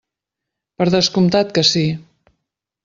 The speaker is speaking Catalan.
Per descomptat que sí.